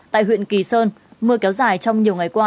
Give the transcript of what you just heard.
tại huyện kỳ sơn mưa kéo dài trong nhiều ngày qua